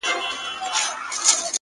هوښیار انسان د احساساتو لار سموي!